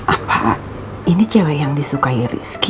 apa ini cewek yang disukai rizky ya